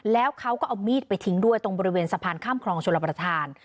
แล้วเขาก็เอามีดไปทิ้งด้วยตรงบริเวณสะพานข้ามคลองชลประธาน